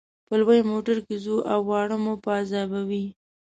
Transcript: په لوی موټر کې ځو او واړه مو په عذابوي.